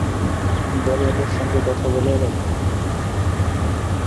বাড়িওয়ালার সঙ্গে কথা বলে এলেন।